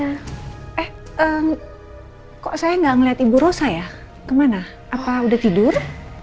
eh kok saya gak ngeliat ibu rosa ya kemana apa udah tidur